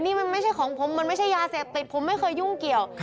นี่มันไม่ใช่ของผมมันไม่ใช่ยาเสพติดผมไม่เคยยุ่งเกี่ยว